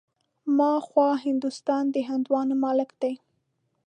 ها خوا هندوستان د هندوانو ملک دی.